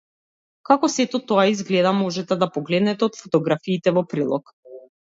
Како сето тоа изгледа можете да погледнете од фотографиите во прилог.